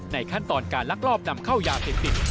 ขั้นตอนการลักลอบนำเข้ายาเสพติด